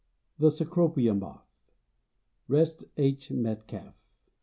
THE CECROPIA MOTH. REST H. METCALF.